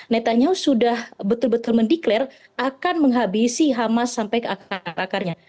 netanyahu sudah betul betul mendeklar akan menghabisi hamas sampai ke akarnya